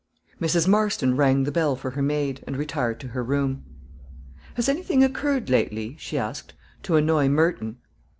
Mrs. Marston rang the bell for her maid, and retired to her room. "Has anything occurred lately," she asked, "to annoy Merton?"